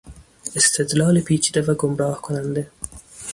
استدلال پیچیده و گمراه کننده